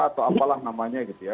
atau apalah namanya gitu ya